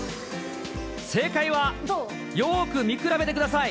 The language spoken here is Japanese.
正解は、よーく見比べてください。